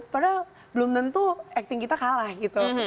padahal belum tentu acting kita kalah gitu